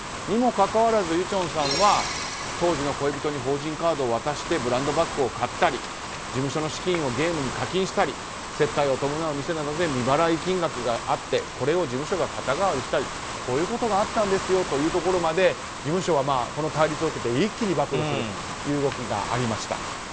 にもかかわらずユチョンさんは当時の恋人に法人カードを渡してブランドバッグを買ったり事務所の資金をゲームに課金したり接待を伴う店などで未払い金額があってこれを事務所が肩代わりしたりといったことがあったんですよといったところまで事務所はこの対立を受けて一気に暴露するという動きがありました。